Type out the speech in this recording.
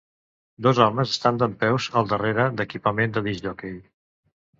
Dos homes estan dempeus al darrere d'equipament de discjòquei.